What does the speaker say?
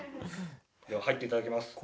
では入っていただきます